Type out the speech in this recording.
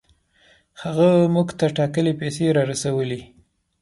هغه موږ ته ټاکلې پیسې را رسولې.